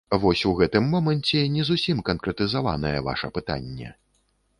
Вось у гэтым моманце не зусім канкрэтызаванае ваша пытанне.